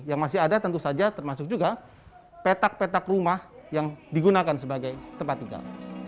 yang masih ada tentu saja termasuk juga petak petak rumah yang digunakan sebagai tempat tinggal